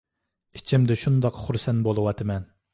ئىچىمدە شۇنداق خۇرسەن بولۇۋاتىمەن